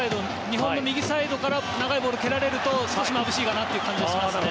日本の右サイドから長いボールを蹴られると少しまぶしいかなという感じがします。